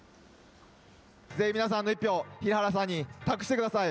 ぜひ皆さんの１票を平原さんに託してください。